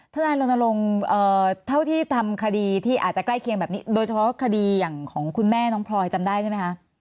ทนายรณรงค์เท่าที่ทำคดีที่อาจจะใกล้เคียงแบบนี้โดยเฉพาะคดีอย่างของคุณแม่น้องพลอยจำได้ใช่ไหมคะ